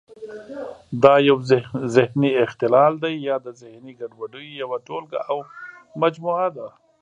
دا یو ذهني اختلال دی یا د ذهني ګډوډیو یوه ټولګه او مجموعه ده.